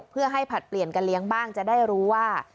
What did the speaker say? เพื่อให้ผลัดเปลี่ยนกันเลี้ยงบ้างจะได้รู้ว่า